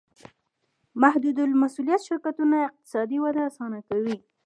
محدودالمسوولیت شرکتونه اقتصادي وده اسانه کوي.